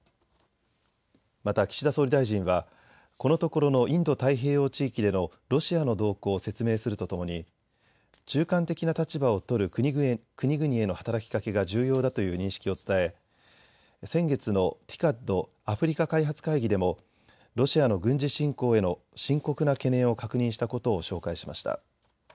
また岸田総理大臣はこのところのインド太平洋地域でのロシアの動向を説明するとともに中間的な立場を取る国々への働きかけが重要だという認識を伝え先月のＴＩＣＡＤ・アフリカ開発会議でもロシアの軍事侵攻への深刻な懸念を確認したことを紹介しました。